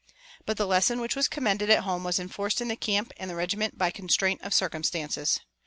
But the lesson which was commended at home was enforced in the camp and the regiment by constraint of circumstances.